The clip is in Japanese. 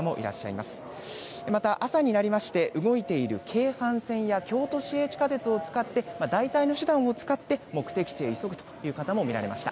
また、朝になりまして、動いている京阪線や京都市営地下鉄を使って、代替の手段を使って目的地へ急ぐという方も見られました。